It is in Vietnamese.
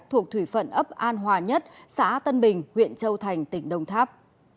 thuộc thủy phận ấp an hòa nhất xã tân bình huyện châu thành tỉnh đồng tháp